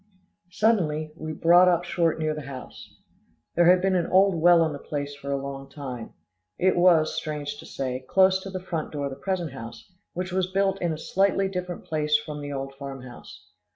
Suddenly, we brought up short near the house. There had been an old well on the place for a long time. It was, strange to say, close to the front door of the present house, which was built in a slightly different place from the old farm house.